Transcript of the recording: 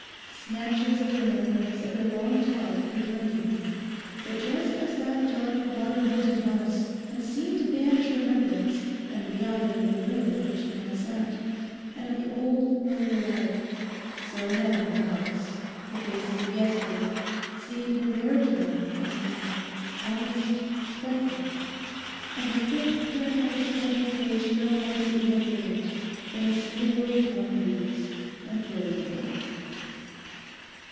Snatches of remembrance of their long talk returned to him, but just as that dark, water haunted house had seemed to banish remembrance and the reality of the room in which he now sat, and of the old familiar life; so now the house, the faces of yesterday seemed in their turn unreal, almost spectral, and the thick print on the smudgy page no more significant than a story one reads and throws away.